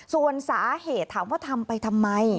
ส่วนสาเหตุถามว่าทำไปทำไม